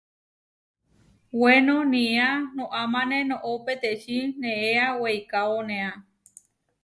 Weno niá noʼamáne noʼó peteči neéa weikaónea.